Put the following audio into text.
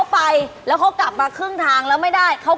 พร้อมมั้ยยังคะ